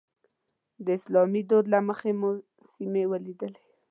د اسلامي دود له مخې مو سیمې ولیدې.